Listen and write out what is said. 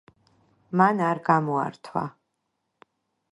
მან არ გამოართვა…